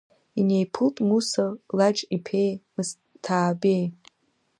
Инеиԥылт Муса Лаџ-иԥеи Мысҭаабеии.